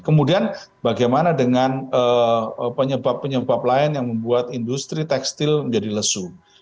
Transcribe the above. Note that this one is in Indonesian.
kemudian bagaimana dengan penyebab penyebab lain yang membuat industri tekstil menjadi lesu